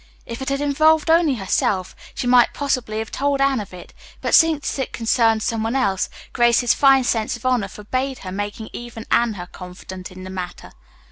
If it had involved only herself, she might possibly have told Anne of it, but since it concerned some one else, Grace's fine sense of honor forbade her making even Anne her confidant in the matter.